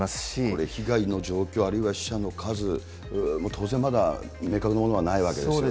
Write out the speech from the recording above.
これ、被害の状況、あるいは死者の数、当然まだ明確なものはないわけですよね。